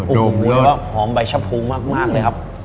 โอ้โหเหมือนว่าหอมใบชะพรูมากเลยครับ